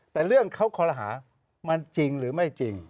แต่เรื่องเขาคอลหามันจริงหรือไม่จริง